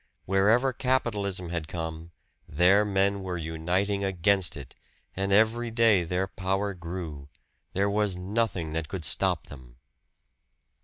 Wherever Capitalism had come, there men were uniting against it; and every day their power grew there was nothing that could stop them.